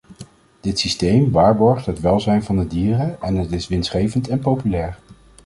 Dit systeem waarborgt het welzijn van de dieren, en het is winstgevend en populair.